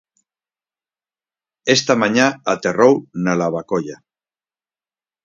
Esta mañá aterrou na Lavacolla.